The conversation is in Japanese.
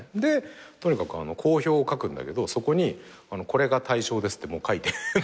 とにかく講評を書くんだけどそこにこれが大賞ですってもう書いて。